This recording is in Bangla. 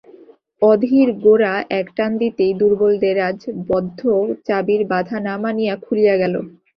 অধীর গোরা এক টান দিতেই দুর্বল দেরাজ বদ্ধ চাবির বাধা না মানিয়া খুলিয়া গেল।